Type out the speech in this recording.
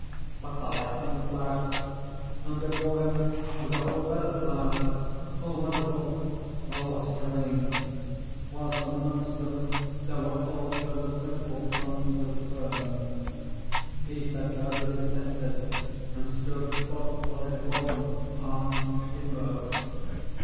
But the lightning flashed; and before him was a whole bed of flowers, all wonderful, all strange: whilst amongst them there were also the simple fronds of fern. Peter doubted his senses, and stood thoughtfully before them, arms akimbo.